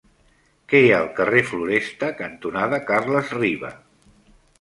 Què hi ha al carrer Floresta cantonada Carles Riba?